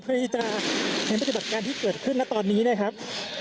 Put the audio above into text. เพื่อที่จะเห็นประจำการณ์ที่เกิดขึ้นนะตอนนี้นะครับ